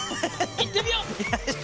いってみよう。